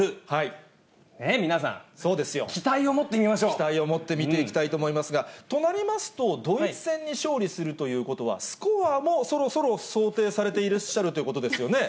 期待を持って見ていきたいと思いますが、となりますと、ドイツ戦に勝利するということは、スコアもそろそろ想定されていらっしゃるということですよね。